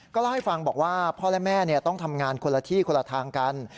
เล่าให้ฟังบอกว่าพ่อและแม่ต้องทำงานคนละที่คนละทางกัน